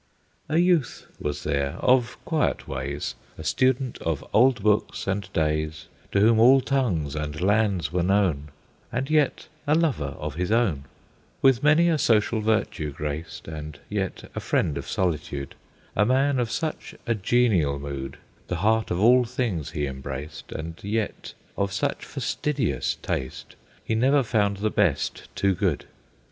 A youth was there, of quiet ways, A Student of old books and days, To whom all tongues and lands were known, And yet a lover of his own; With many a social virtue graced, And yet a friend of solitude; A man of such a genial mood The heart of all things he embraced, And yet of such fastidious taste, He never found the best too good.